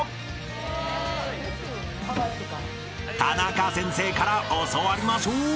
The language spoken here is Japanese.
［タナカ先生から教わりましょう］